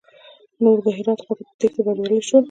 نور د هرات خواته په تېښته بريالي شول.